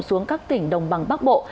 xuống các tỉnh đồng bằng bắc bộ